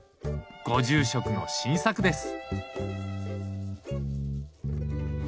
ご住職の新作です。